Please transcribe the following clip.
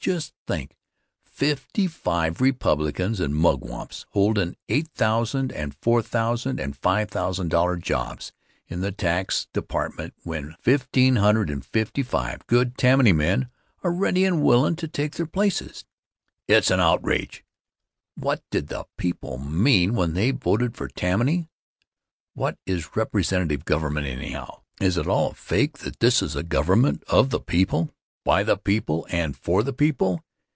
Just think! Fifty five Republicans and mugwumps holdin' $8000 and $4000 and $5000 jobs in the tax department when 1555 good Tammany men are ready and willin' to take their places! It's an outrage! What did the people mean when they voted for Tammany? What is representative government, anyhow? Is it all a fake that this is a government of the people, by the people and for the people?